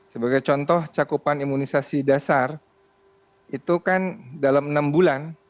sebagai contoh cakupan imunisasi dasar itu kan dalam enam bulan